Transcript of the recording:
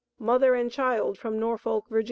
MOTHER AND CHILD FROM NORFOLK, VA.